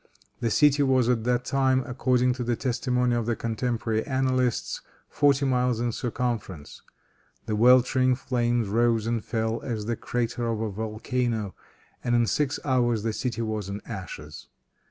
The city was at that time, according to the testimony of the cotemporary annalists, forty miles in circumference. The weltering flames rose and fell as in the crater of a volcano, and in six hours the city was in ashes.